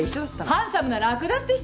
「ハンサムならくだ」って人ね。